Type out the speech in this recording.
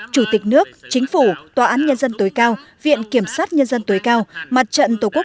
chủ tịch nước chính phủ tòa án nhân dân tối cao viện kiểm sát nhân dân tối cao mặt trận tổ quốc